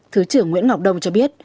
thứ trưởng nguyễn ngọc đông cho biết